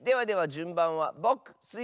じゅんばんはぼくスイ